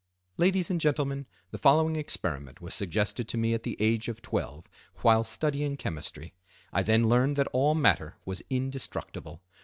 —"Ladies and Gentlemen, the following experiment was suggested to me at the age of twelve while studying chemistry. I then learned that all matter was indestructible.